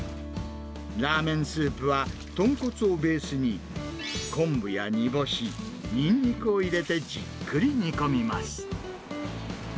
ラーメンスープは、豚骨をベースに昆布や煮干し、ニンニクを入れてじっくり煮込みます。